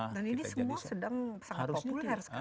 dan ini semua sedang sangat populer